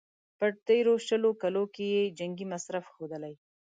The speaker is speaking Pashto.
په تېرو شلو کلونو کې یې جنګي مصرف ښودلی.